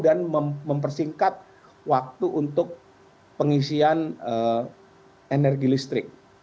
dan mempersingkat waktu untuk pengisian energi listrik